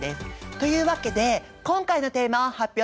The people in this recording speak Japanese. というわけで今回のテーマを発表します！